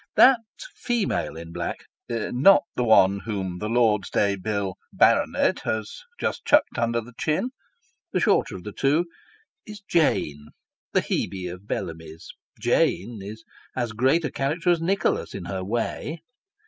That female in black not the one whom the Lord's Day Bill Baronet has just chucked under the chin ; the shorter of the two is "Jane:" the Hebe of Bellamy's. Jane is as great a character as Nicholas, in her way.